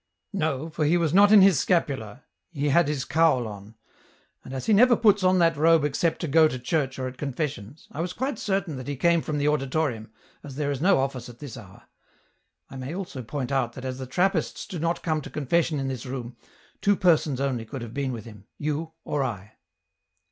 " No, for he was not in his scapular he had his cowl o 2 196 EN ROUTE. on. And as he never puts on that robe except to go to church or at confessions, I was quite certain that he came from the auditorium, as there is no office at this hour. I may also point out that as the Trappists do not come to confession in this room, two persons only could have been with him, you or I."